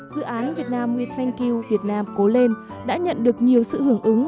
dự án việt nam we thank you việt nam cố lên đã nhận được nhiều sự hưởng ứng